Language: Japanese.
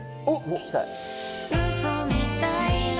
聞きたい。